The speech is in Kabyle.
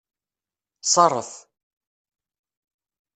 Ṣerref.